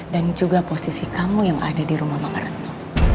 dan juga posisi kamu yang ada di rumah mama retno